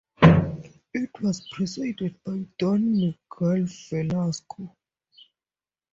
It was presided by Don Miguel Velasco.